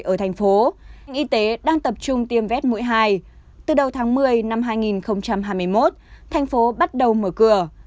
ở thành phố ngành y tế đang tập trung tiêm vét mũi hai từ đầu tháng một mươi năm hai nghìn hai mươi một thành phố bắt đầu mở cửa